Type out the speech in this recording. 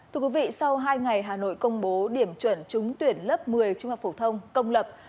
thưa quý vị sau hai ngày hà nội công bố điểm chuẩn trúng tuyển lớp một mươi trung học phổ thông công lập